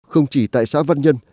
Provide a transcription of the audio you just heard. không chỉ tại xã văn nhân